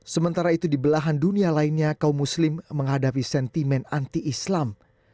sementara itu di belahan dunia lainnya kaum muslim menghadapi sentimen anti islam